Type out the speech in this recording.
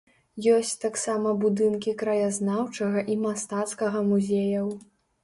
Ёсць таксама будынкі краязнаўчага і мастацкага музеяў.